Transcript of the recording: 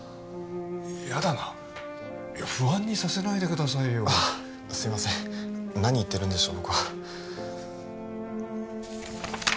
嫌だな不安にさせないでくださいよすいません何言ってるんでしょう